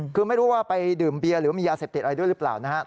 คือไม่รู้ว่าไปดื่มเบียร์หรือว่ามียาเสพติดอะไรด้วยหรือเปล่านะครับ